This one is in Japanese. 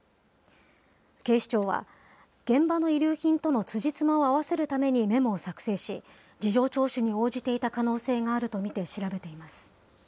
警視庁は、現場の遺留品とのつじつまを合わせるためにメモを作成し、事情聴取に応じていた可能性があると見て、調べています。